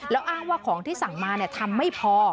แล้วอ้างว่าของที่สั่งมาทำไม่พอ